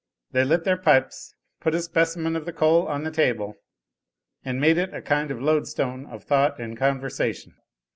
They lit their pipes, put a specimen of the coal on the table, and made it a kind of loadstone of thought and conversation.